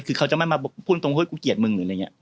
คือเขาจะไม่มาพูดตรงเว้ยกูเกียจมึงอะไรเงี้ย